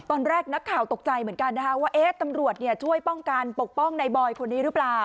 ตอนแรกนักข่าวตกใจเหมือนกันนะคะว่าตำรวจช่วยป้องกันปกป้องในบอยคนนี้หรือเปล่า